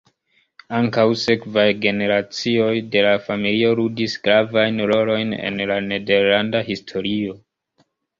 Ankaŭ sekvaj generacioj de la familio ludis gravajn rolojn en la nederlanda historio.